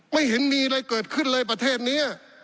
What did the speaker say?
ไม่เห็นมีอะไรเกิดขึ้นเลยประเทศนี้